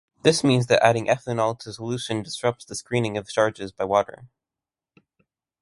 This means that adding ethanol to solution disrupts the screening of charges by water.